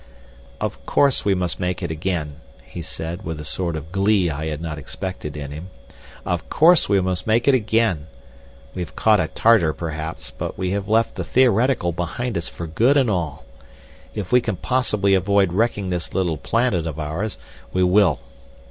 "Of course we must make it again," he said, with a sort of glee I had not expected in him, "of course we must make it again. We have caught a Tartar, perhaps, but we have left the theoretical behind us for good and all. If we can possibly avoid wrecking this little planet of ours, we will.